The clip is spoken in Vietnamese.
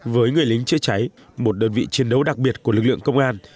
với người lính chữa cháy một đơn vị chiến đấu đặc biệt của lực lượng công an